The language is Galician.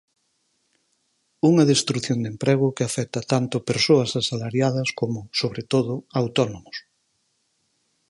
Unha destrución de emprego que afecta tanto persoas asalariadas como, sobre todo, autónomos.